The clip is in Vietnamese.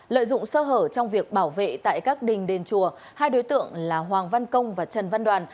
lợi dụng sơ hở trong việc bảo vệ tại các đình đền chùa hai đối tượng là hoàng văn công và trần văn đoàn